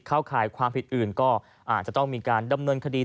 ข่ายความผิดอื่นก็อาจจะต้องมีการดำเนินคดี